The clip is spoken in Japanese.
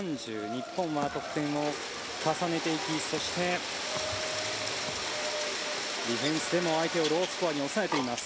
日本は得点を重ねていきそして、ディフェンスでも相手をロースコアに抑えています。